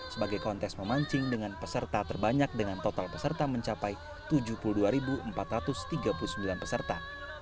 sebagai kontes memancing dengan peserta terbanyak dengan total peserta mencapai tujuh puluh dua empat ratus tiga puluh sembilan peserta